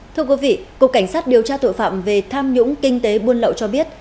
thưa quý vị cục cảnh sát điều tra tội phạm về tham nhũng kinh tế buôn lậu cho biết